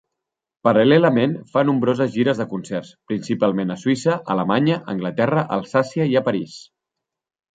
Paral·lelament, fa nombroses gires de concerts, principalment a Suïssa, Alemanya, Anglaterra, Alsàcia i a París.